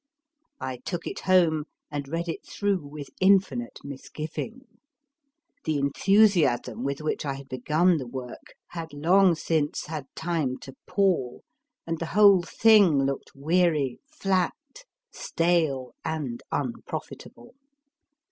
I took it home and read it through with infinite misgiving. The enthusiasm with DAVID CHRISTIE MURRAY 201 which I had begun the work had long since had time to pall, and the whole thing looked weary, flat, stale, and unprofitable.